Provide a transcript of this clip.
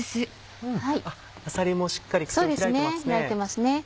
あさりもしっかり口を開いてますね。